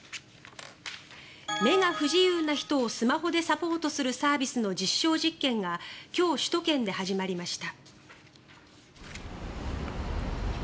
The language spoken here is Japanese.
目が不自由な人をスマホでサポートするサービスの実証実験が今日、首都圏で始まりました。